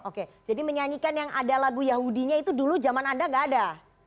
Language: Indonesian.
oke jadi menyanyikan yang ada lagu yahudinya itu dulu zaman anda gak ada